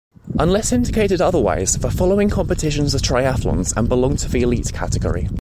Unless indicated otherwise, the following competitions are triathlons and belong to the "Elite" category.